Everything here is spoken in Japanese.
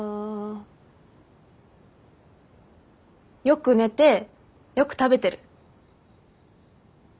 よく寝てよく食べてる。